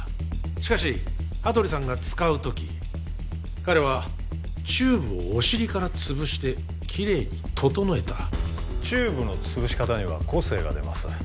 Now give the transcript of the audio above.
しかし羽鳥さんが使う時彼はチューブをおしりから潰してキレイに整えたチューブの潰し方には個性が出ます